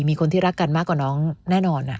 มีคนที่รักกันมากกว่าน้องแน่นอน